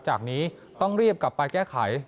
จากนี้ต้องรีบกลับไปแก้ไข